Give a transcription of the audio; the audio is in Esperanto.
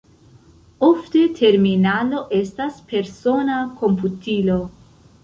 Ofte terminalo estas persona komputilo.